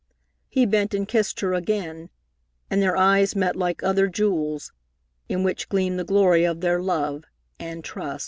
He bent and kissed her again, and their eyes met like other jewels, in which gleamed the glory of their love and trust.